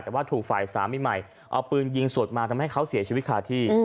แต่ว่าถูกฝ่ายสามีใหม่เอาปืนยิงสวดมาทำให้เขาเสียชีวิตคาที่